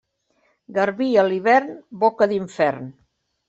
Garbí a l'hivern, boca d'infern.